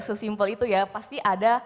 sesimpel itu ya pasti ada